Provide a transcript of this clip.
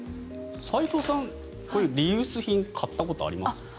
斎藤さん、こういうリユース品を買ったことはありますか？